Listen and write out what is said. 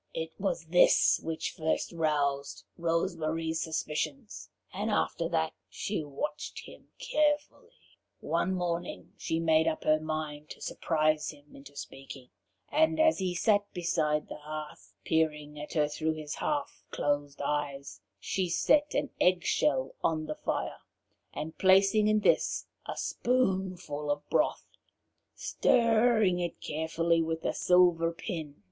It was this which first roused Rose Marie's suspicions, and after that she watched him carefully. One morning she made up her mind to surprise him into speaking, and as he sat beside the hearth, peering at her through his half closed eyes, she set an egg shell on the fire, and placing in this a spoonful of broth, stirred it carefully with a silver pin.